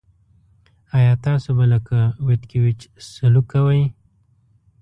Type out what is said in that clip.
آیا تاسو به لکه ویتکیویچ سلوک کوئ.